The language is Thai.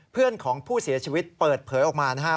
เพื่อนของผู้เสียชีวิตเปิดเผยออกมานะครับ